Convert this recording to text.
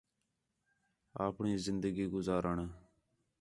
اپݨی زندگی گُزارݨ